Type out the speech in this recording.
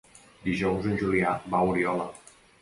Dijous en Julià va a Oriola.